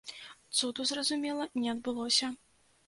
Цуду, зразумела, не адбылося.